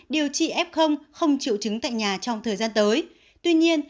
điều trị f không triệu chứng tại nhà trong thời gian tới tuy nhiên